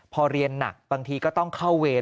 พอเรียนหนักบางทีก็ต้องเข้าเวร